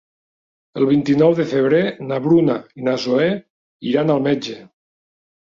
El vint-i-nou de febrer na Bruna i na Zoè iran al metge.